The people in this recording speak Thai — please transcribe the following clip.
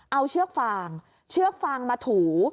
เอาเชือกฟางเชือกฟางมาถู